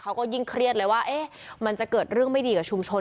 เขาก็ยิ่งเครียดเลยว่ามันจะเกิดเรื่องไม่ดีกับชุมชน